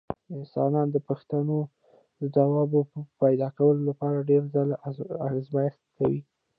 انسانان د پوښتنو د ځواب پیدا کولو لپاره ډېر ځله ازمېښت کوي.